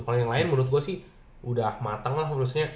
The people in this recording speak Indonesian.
kalo yang lain menurut gue sih udah mateng lah